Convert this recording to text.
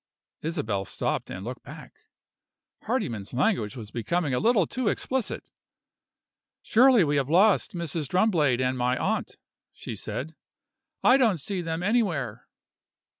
Isabel stopped and looked back. Hardyman's language was becoming a little too explicit. "Surely we have lost Mrs. Drumblade and my aunt," she said. "I don't see them anywhere."